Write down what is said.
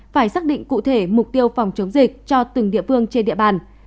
phải xác định cụ thể mục tiêu phòng chống dịch cho từng địa phương trên địa bàn